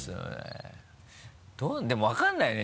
でも分からないよね